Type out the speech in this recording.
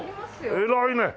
偉いね！